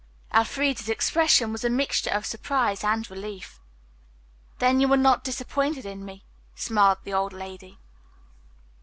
Elfreda's expression was a mixture of surprise and relief. "Then you are not disappointed in me," smiled the old lady.